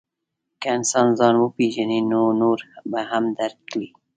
که انسان ځان وپېژني، نو نور به هم درک کړي.